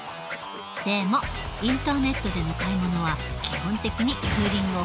でもインターネットでの買い物は基本的にクーリングオフはできない。